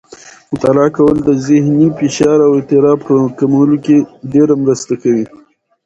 مطالعه کول د ذهني فشار او اضطراب په کمولو کې ډېره مرسته کوي.